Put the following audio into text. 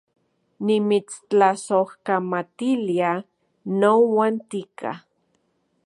Nimitstlasojkamatilia nouan tika